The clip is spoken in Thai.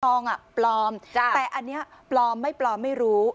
ปลอมแต่อันนี้ปลอมไม่ปลอมไม่รู้